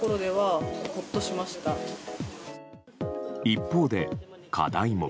一方で課題も。